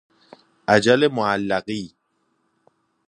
اجل معلقی